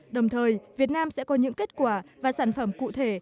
đồng thời việt nam sẽ có những kết quả và sản phẩm cụ thể